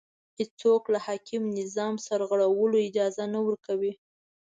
هېڅوک له حاکم نظام سرغړولو اجازه نه ورکړي